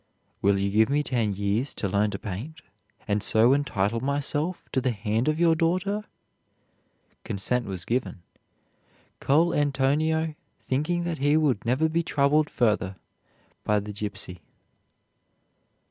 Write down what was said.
"Will you give me ten years to learn to paint, and so entitle myself to the hand of your daughter?" Consent was given, Coll' Antonio thinking that he would never be troubled further by the gypsy.